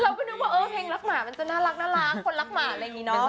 เราก็นึกว่าเออเพลงรักหมามันจะน่ารักคนรักหมาอะไรอย่างนี้เนาะ